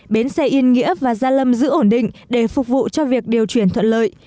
bến xe yên nghĩa và gia lâm giữ ổn định để phục vụ cho việc điều chuyển thuận lợi